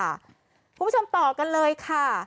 คุณผู้ชมต่อกันเลยค่ะ